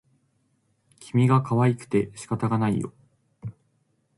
君がかわいくて仕方がないよ